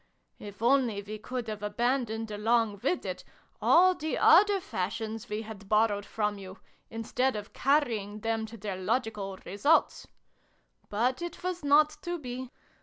If only we could have aban doned, along with it, all the other fashions we had borrowed from you, instead of carrying them to their logical results ! But it was not to be.